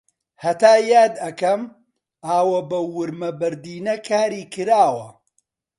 هەتا یاد ئەکەم ئاوە بەو ورمە بەردینە کاری کراوە